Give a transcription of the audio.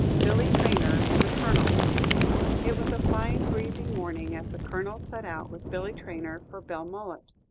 BILLY TRAYNOR AND THE COLONEL It was a fine breezy morning as the Colonel set out with Billy Traynor for Belmullet.